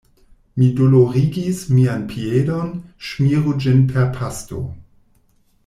Mi dolorigis mian piedon, ŝmiru ĝin per pasto.